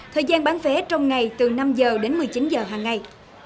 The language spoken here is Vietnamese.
thời gian bán vé trong ngày từ năm h đến một mươi chín h hàng ngày